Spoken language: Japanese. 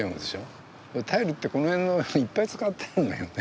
タイルってこの辺いっぱい使ってるんだよね。